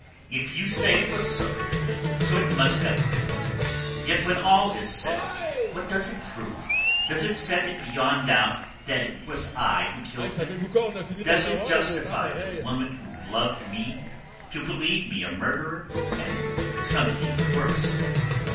"If you say it was so, so it must have been. Yet when all is said, what does it prove? Does it set it beyond doubt that it was I who killed him? Does it justify the woman who loved me to believe me a murderer and something worse?"